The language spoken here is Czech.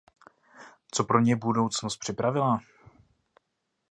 Co pro ně budoucnost připravila?